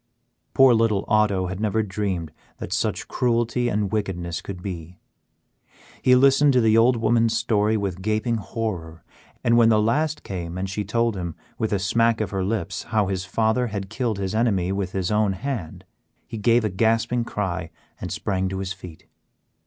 Poor little Otto had never dreamed that such cruelty and wickedness could be. He listened to the old woman's story with gaping horror, and when the last came and she told him, with a smack of her lips, how his father had killed his enemy with his own hand, he gave a gasping cry and sprang to his feet.